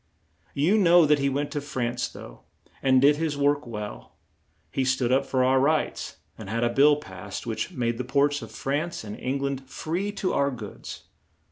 You know that he went to France though, and did his work well. He stood up for our rights and had a bill passed which made the ports of France and Eng land free to our goods.